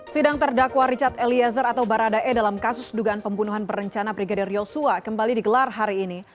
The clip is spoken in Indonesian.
sidang terdakwa richard eliezer atau baradae dalam kasus dugaan pembunuhan berencana brigadir yosua kembali digelar hari ini